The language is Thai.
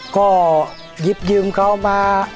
ก็หยิบยืมเขามา